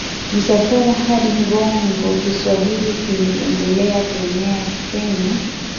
misafara hadi Kongo Kiswahili kiliendelea kuenea kwenye